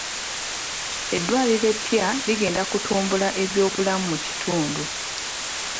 Eddwaliro eppya ligenda kutumbula ebyobulamu mu kitundu.